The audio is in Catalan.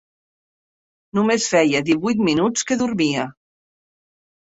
Només feia divuit minuts que dormia.